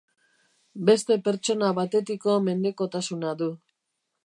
Beste pertsona batetiko mendekotasuna du.